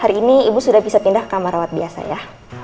hari ini ibu sudah bisa pindah kamar rawat biasa ya